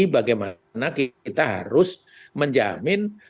bagaimana kita harus menjamin